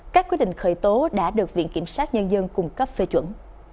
các quyết định khởi tố đã được viện kiểm sát nhân dân cung cấp phê chuẩn